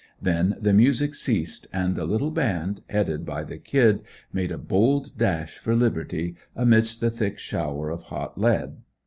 Then the music ceased, and the little band, headed by the "Kid" made a bold dash for liberty, amidst the thick shower of hot lead.